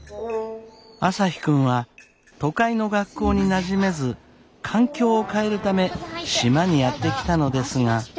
朝陽君は都会の学校になじめず環境を変えるため島にやって来たのですが。